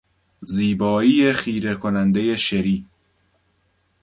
زیبایی خیره کنندهی شری